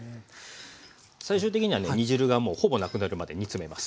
最終的にはね煮汁がもうほぼなくなるまで煮詰めます。